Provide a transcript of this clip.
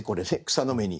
草の芽に。